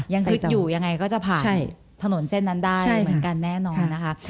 ยังคิดอยู่ยังไงก็จะผ่านถนนเส้นนั้นได้เหมือนกันแน่นอนนะคะ